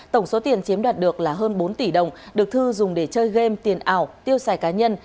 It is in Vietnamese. tổng số tiền chiếm đoạt được là hơn bốn tỷ đồng được thư dùng để chơi game tiền ảo tiêu xài cá nhân